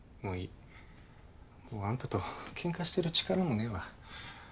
もうあんたとケンカしてる力もねえわ。